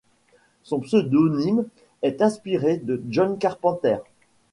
Son pseudonyme est inspiré de John Carpenter.